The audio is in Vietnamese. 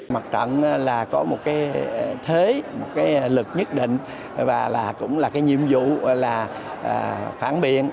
mặt trận là có một cái thế một cái lực nhất định và cũng là cái nhiệm vụ là phản biện